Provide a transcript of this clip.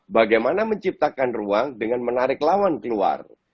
bagaimana menciptakan ruang dengan menarik lawan keluar